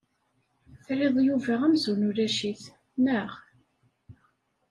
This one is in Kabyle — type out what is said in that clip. Terriḍ Yuba amzun ulac-it, naɣ?